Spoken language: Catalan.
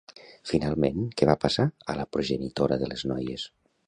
Finalment, què va passar a la progenitora de les noies?